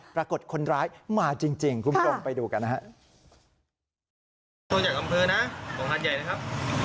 ปรากฏคนร้ายมาจริงคุณผู้ชมไปดูกันนะครับ